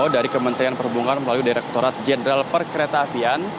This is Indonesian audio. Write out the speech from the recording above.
kalau dari kementerian perhubungan melalui direkturat jenderal perkeretaapian